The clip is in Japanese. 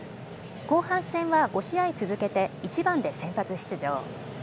後半戦は５試合続けて１番で先発出場。